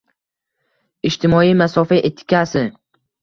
Ijtimoiy masofa etikasi